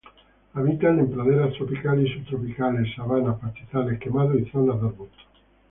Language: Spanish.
Habitan en praderas tropicales y subtropicales, sabanas, pastizales quemados y zonas de arbustos.